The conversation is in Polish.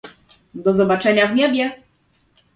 Do zobaczenia w niebie